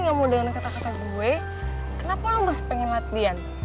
kalo lo sih ga mau denger kata kata gue kenapa lo masih pengen latihan